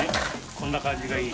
こんな感じがいい。